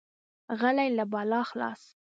غلی، له بلا خلاص.